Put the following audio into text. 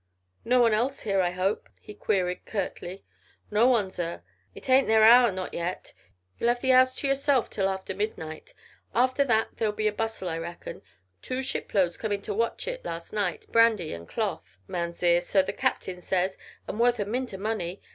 "No one else here, I hope," he queried curtly. "No one, zir. It ain't their hour not yet. You'll 'ave the 'ouse to yourself till after midnight. After that there'll be a bustle, I reckon. Two shiploads come into Watchet last night brandy and cloth, Mounzeer, so the Captain says, and worth a mint o' money.